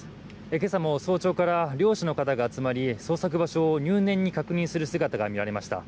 今朝も早朝から漁師の方が集まり捜索場所を入念に確認する姿が見られました。